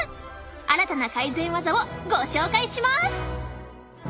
新たな改善技をご紹介します！